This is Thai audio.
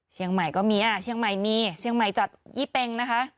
เชียงใหม่ก็มีเชียงใหม่มีเชียงใหม่จัดยี่เป็งนะคะ